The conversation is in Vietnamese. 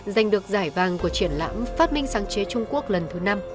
giành được giải vàng của triển lãm phát minh sáng chế trung quốc lần thứ năm